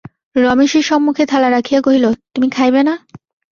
রমেশের সম্মুখে থালা রাখিয়া কহিল, তুমি খাইবে না?